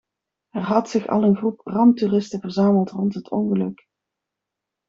Er had zich al een groep ramptoeristen verzameld rond het ongeluk.